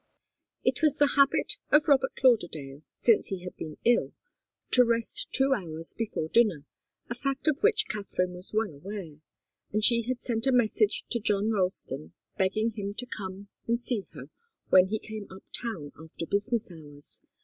It was the habit of Robert Lauderdale, since he had been ill, to rest two hours before dinner, a fact of which Katharine was well aware, and she had sent a message to John Ralston begging him to come and see her when he came up town after business hours.